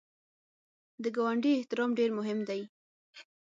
د ګاونډي احترام ډېر مهم دی